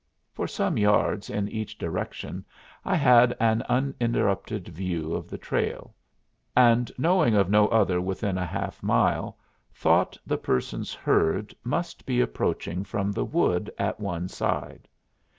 For some yards in each direction I had an uninterrupted view of the trail, and knowing of no other within a half mile thought the persons heard must be approaching from the wood at one side.